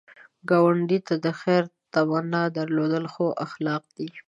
ګاونډي ته د خیر تمنا درلودل ښو اخلاق دي